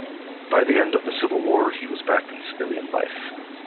By the end of the Civil War he was back in civilian life.